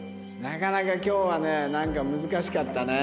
なかなか今日はね難しかったね。